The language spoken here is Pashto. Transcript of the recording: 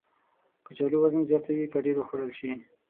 کچالو وزن زیاتوي که ډېر وخوړل شي